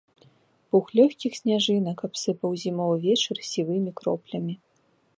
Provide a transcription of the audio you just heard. Пух лёгкіх сняжынак абсыпаў зімовы вечар сівымі кроплямі.